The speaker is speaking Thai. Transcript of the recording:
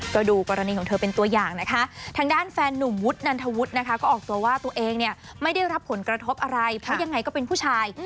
ก็ดูกรณีของเธอเป็นตัวอย่างนะคะทางด้านแฟนนุ่มวุฒนันทวุฒินะคะก็ออกตัวว่าตัวเองเนี่ยไม่ได้รับผลกระทบอะไรเพราะยังไงก็เป็นผู้ชาย